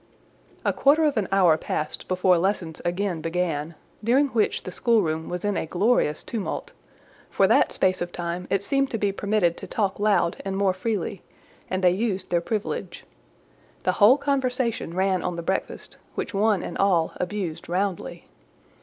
A quarter of an hour passed before lessons again began, during which the schoolroom was in a glorious tumult; for that space of time it seemed to be permitted to talk loud and more freely, and they used their privilege. The whole conversation ran on the breakfast, which one and all abused roundly.